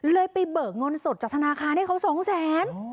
ไปเบิกเงินสดจากธนาคารให้เขาสองแสน